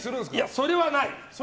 それはない。